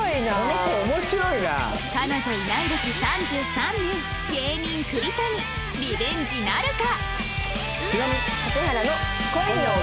彼女いない歴３３年芸人栗谷リベンジなるか？